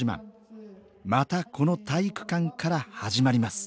またこの体育館から始まります